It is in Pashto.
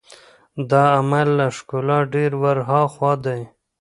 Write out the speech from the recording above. دا عمل له ښکلا ډېر ور هاخوا دی.